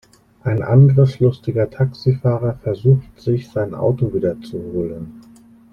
Ein angriffslustiger Taxifahrer versucht, sich sein Auto wiederzuholen.